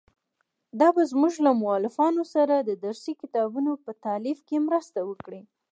دا به زموږ له مؤلفانو سره د درسي کتابونو په تالیف کې مرسته وکړي.